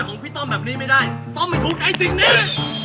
ต้องไม่ทำแบบนี้ไม่ได้ต้องไม่ถูกกับไอ้สิ่งนี้